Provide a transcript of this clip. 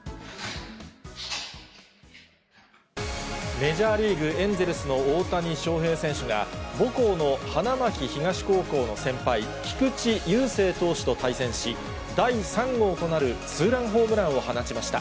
メジャーリーグ・エンゼルスの大谷翔平選手が、母校の花巻東高校の先輩、菊池雄星投手と対戦し、第３号となるツーランホームランを放ちました。